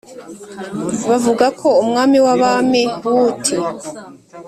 bavuga ko umwami w’abami wu ti